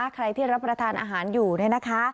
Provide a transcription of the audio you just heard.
ใครที่รับประทานอาหารอยู่เนี่ยนะคะ